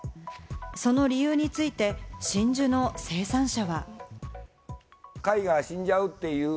その理由について、真珠の生産者は。